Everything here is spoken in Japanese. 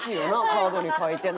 カードに書いてな